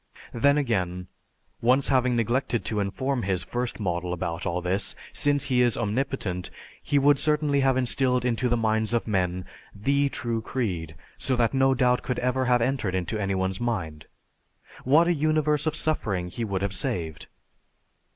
Then again, once having neglected to inform his first model about all this, since He is omnipotent, he would certainly have instilled into the minds of men "the" true creed so that no doubt could have ever entered into any one's mind. What a universe of suffering He would have saved!